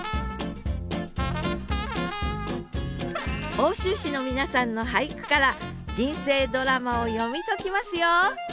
奥州市の皆さんの俳句から人生ドラマを読み解きますよ！